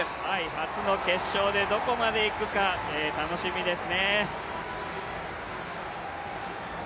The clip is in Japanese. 初の決勝でどこまでいくか楽しみですね。